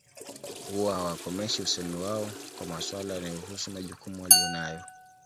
Huwa hawakomeshi usemi wao kwa maswala yanayohusu majukumu waliyo nayo